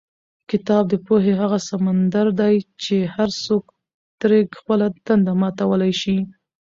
کتاب د پوهې هغه سمندر دی چې هر څوک ترې خپله تنده ماتولی شي.